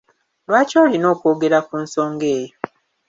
Lwaki olina okwogera ku nsonga eyo?